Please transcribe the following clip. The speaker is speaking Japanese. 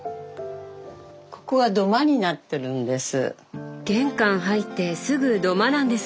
ここが土間になってるんです。